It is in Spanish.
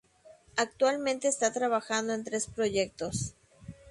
Actualmente esta trabajando en tres proyectos.